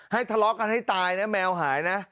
ทะเลาะกันให้ตายนะแมวหายนะ